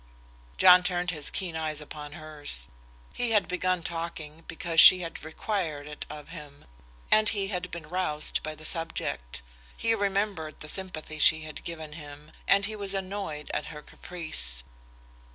John turned his keen eyes upon hers. He had begun talking because she had required it of him, and he had been roused by the subject. He remembered the sympathy she had given him, and he was annoyed at her caprice.